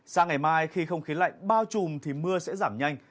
sang ngày mai khi không khí lạnh bao trùm thì mưa sẽ giảm nhanh